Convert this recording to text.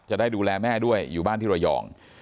จะได้ดูแลแม่ด้วยอยู่บ้านที่ระยอง